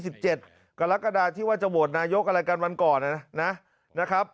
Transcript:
ประชุมรัฐสภา๒๗กรกฎาที่ว่าจะโหวตนายกอะไรกันวันก่อนนะครับ